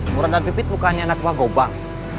mura dan pipi bukannya anak wagobang